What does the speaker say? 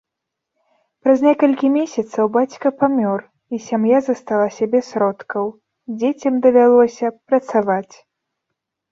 Праз некалькі месяцаў бацька памёр, і сям'я засталася без сродкаў, дзецям давялося працаваць.